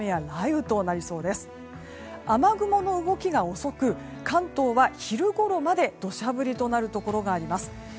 雨雲の動きが遅く関東は昼ころまで土砂降りとなるところがあります。